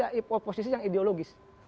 ya oposisi yang ideologis